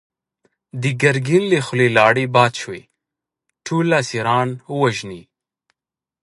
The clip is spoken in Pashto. د ګرګين له خولې لاړې باد شوې! ټول اسيران ووژنی!